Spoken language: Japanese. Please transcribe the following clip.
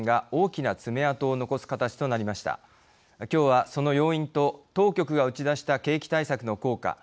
きょうは、その要因と当局が打ち出した景気対策の効果